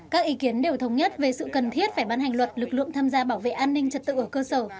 các ý kiến đều thống nhất về sự cần thiết phải bán hành luật lực lượng tham gia bảo vệ an ninh trật tự ở cơ sở